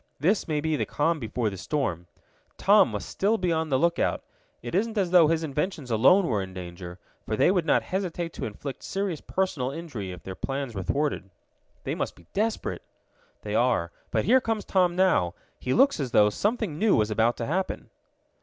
This may be the calm before the storm. Tom must still be on the lookout. It isn't as though his inventions alone were in danger, for they would not hesitate to inflict serious personal injury if their plans were thwarted." "They must be desperate." "They are. But here comes Tom now. He looks as though something new was about to happen."